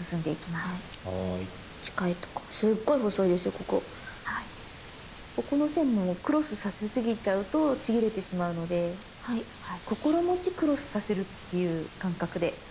ここの線もクロスさせすぎちゃうとちぎれてしまうのでこころもちクロスさせるっていう感覚で。